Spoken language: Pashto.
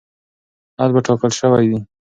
حل به ټاکل شوی وي.